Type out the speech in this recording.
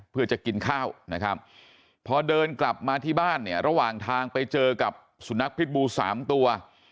เพื่อจะกินข้าวนะครับพอเดินกลับมาที่บ้านเนี่ยระหว่างทางไปเจอกับสุนัขพิษบู๓ตัว